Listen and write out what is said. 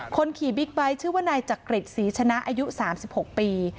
คนขี่บิ๊กไบท์ชื่อว่านายจักริตศรีชนะอายุ๓๖ปี